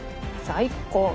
最高！